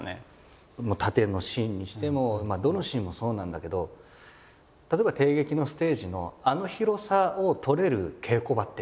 殺陣のシーンにしてもどのシーンもそうなんだけど例えば帝劇のステージのあの広さを取れる稽古場ってない。